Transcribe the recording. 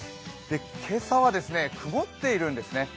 今朝は曇っているんですね。